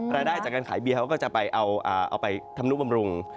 รายได้จากการขายเบียร์เขาก็จะไปเอาไปทำนุบำรุง